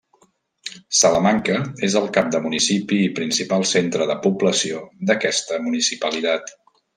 Salamanca és el cap de municipi i principal centre de població d'aquesta municipalitat.